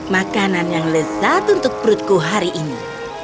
makanan yang lezat untuk perutku hari ini